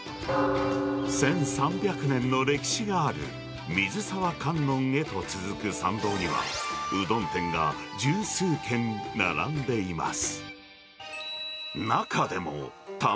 １３００年の歴史がある水澤観音へと続く参道には、うどん店が十数軒並んでいます。